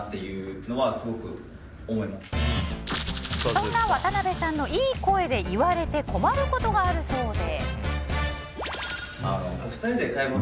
そんな渡辺さんのいい声で言われて困ることがあるそうで。